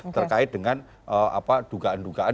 terkait dengan dugaan dugaan